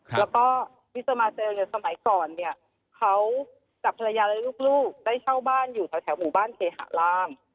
แล้วก็ที่จะมาเจอเนี่ยสมัยก่อนเนี่ยเขากับภรรยาและลูกได้เช่าบ้านอยู่แถวหมู่บ้านเคหาร่าง